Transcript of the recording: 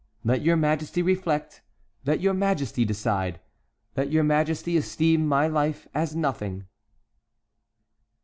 "Let your majesty reflect—let your majesty decide. Let your majesty esteem my life as nothing."